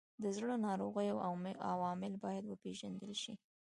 د زړه ناروغیو عوامل باید وپیژندل شي.